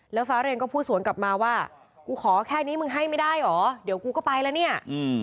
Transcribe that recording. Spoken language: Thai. แล้วฟ้าเรนก็พูดสวนกลับมาว่ากูขอแค่นี้มึงให้ไม่ได้เหรอเดี๋ยวกูก็ไปแล้วเนี่ย